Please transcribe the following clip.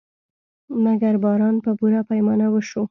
مګر باران په پوره پیمانه وشو.